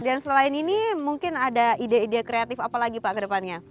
dan selain ini mungkin ada ide ide kreatif apa lagi pak kedepannya